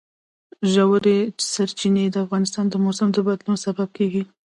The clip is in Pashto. ژورې سرچینې د افغانستان د موسم د بدلون سبب کېږي.